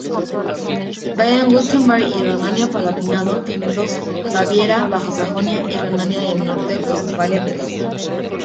Baden-Württemberg y Renania-Palatinado tienen dos; Baviera, Baja Sajonia y Renania del Norte-Westfalia, tres.